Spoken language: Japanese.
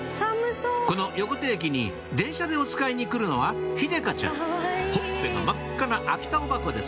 この横手駅に電車でおつかいに来るのはほっぺが真っ赤な秋田おばこです